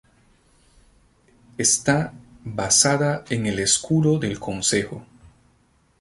Está basada en el escudo del concejo.